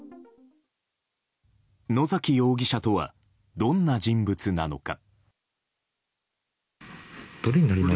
野崎容疑者とはどんな人物なのか。